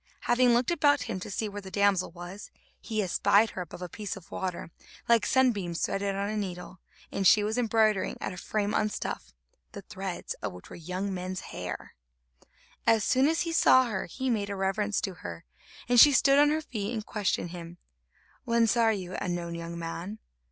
Having looked about him to see where the damsel was, he espied her above a piece of water, like sunbeams threaded on a needle, and she was embroidering at a frame on stuff, the threads of which were young men's hair. As soon as he saw her, he made a reverence to her, and she stood on her feet and questioned him: "Whence are you, unknown young man?"